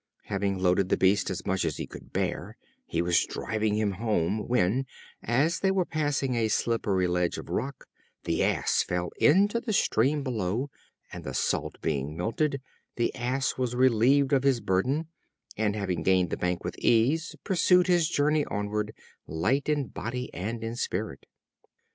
Having loaded the beast as much as he could bear, he was driving him home, when, as they were passing a slippery ledge of rock, the Ass fell into the stream below, and the Salt being melted, the Ass was relieved of his burden, and having gained the bank with ease, pursued his journey onward, light in body and in spirit.